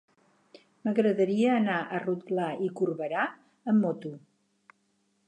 M'agradaria anar a Rotglà i Corberà amb moto.